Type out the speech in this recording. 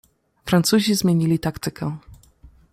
"Francuzi zmienili taktykę."